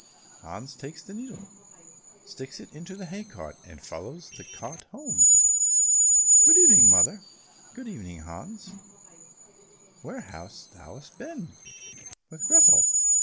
Hans takes the needle, sticks it into a hay cart, and follows the cart home. "Good evening, mother." "Good evening, Hans. Where hast thou been?" "With Grethel."